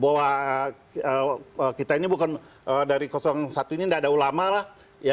bahwa kita ini bukan dari satu ini tidak ada ulama lah